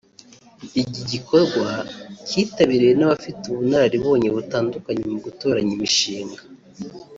Igi gikorwa kitabiriwe n’abafite ubunararibonye butandukanye mu gutoranya imishinga